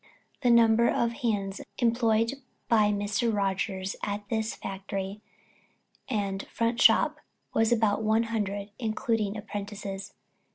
The number of hands employed by Mr. Rogers at his factory and "front shop" was about one hundred, including apprentices.